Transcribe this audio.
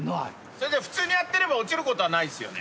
普通にやってれば落ちることはないですよね？